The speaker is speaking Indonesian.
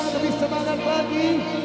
lebih semangat lagi